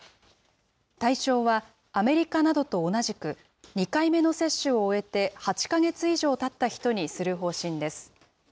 対象はアメリカなどと同じく、２回目の接種を終えて、８か月以上たった人にする方針です。